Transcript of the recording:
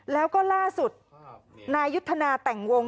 แล้วก็ล่าสุดนายยุทธนาแต่งวง